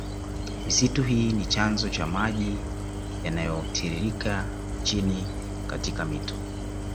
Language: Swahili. Misitu hii ni chanzo cha maji yanayotiririke chini katika mito